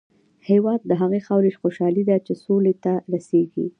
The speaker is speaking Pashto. هېواد د هغې خاورې خوشحالي ده چې سولې ته رسېږي.